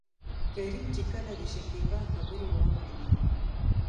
کريم چې کله دشکيبا خبرې واورېدې.